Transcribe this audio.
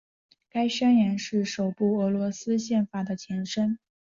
该宣言是首部俄罗斯宪法的前身。